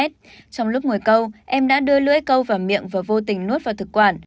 trong lúc ngồi câu em đã đưa lưỡi câu vào miệng và vô tình nốt vào thực quản